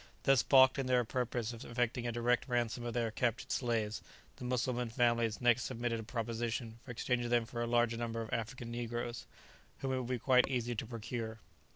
Thus baulked in their purpose of effecting a direct ransom of their captured relatives, the Mussulman families next submitted a proposition for exchanging them for a larger number of African negroes, whom it would be quite easy to procure.